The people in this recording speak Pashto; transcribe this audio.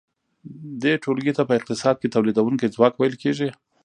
دې ټولګې ته په اقتصاد کې تولیدونکی ځواک ویل کیږي.